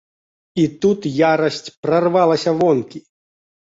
І тут ярасць прарвалася вонкі.